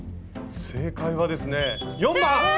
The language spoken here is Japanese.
正解はですね４番！え！